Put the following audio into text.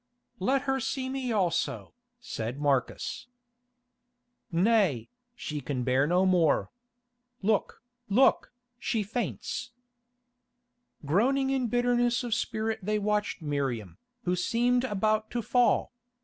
"Let her see me also," said Marcus. "Nay, she can bear no more. Look, look, she faints." Groaning in bitterness of spirit they watched Miriam, who seemed about to fall.